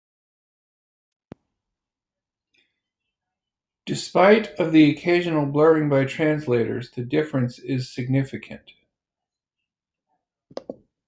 Despite of the occasional blurring by translators, the difference is significant.